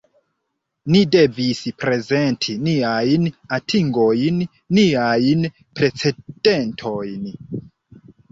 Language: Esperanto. Ni devis prezenti niajn atingojn, niajn precedentojn.